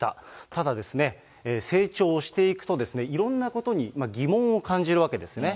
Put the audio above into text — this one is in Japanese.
ただですね、成長していくと、いろんなことに疑問を感じるわけですね。